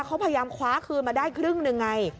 เขาพยายามคว้าคืนมาได้ครึ่งหนึ่งไง